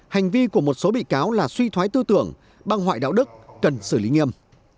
hành vi của một số bị cáo là suy thoái tư tưởng băng hoại đạo đức cần xử lý nghiêm